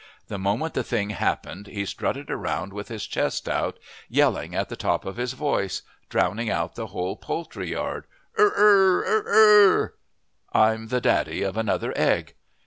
The moment the thing happened he strutted around with his chest out, yelling at the top of his voice, drowning out the whole poultry yard: "Ur r r r, Ur r r r, Ur r r r! I'm the daddy of another egg!"